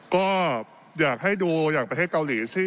ก็อยากให้ดูอย่างประเทศเกาหลีสิ